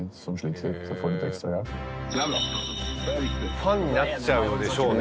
ファンになっちゃうでしょうね